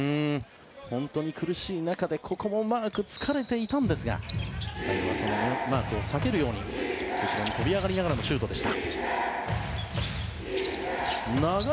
本当に苦しい中でマークつかれていましたが最後はそのマークを避けるように後ろに飛び上がりながらのシュートでした。